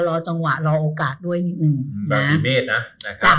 รอจังหวะรอโอกาสด้วยนิดนึง